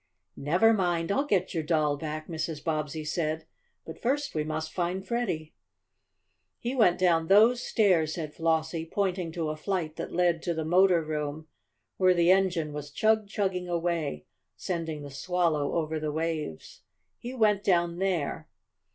"Never mind! I'll get your doll back," Mrs. Bobbsey said. "But first we must find Freddie." "He went down those stairs," said Flossie, pointing to a flight that led to the motor room, where the engine was chug chugging away, sending the Swallow over the waves. "He went down there."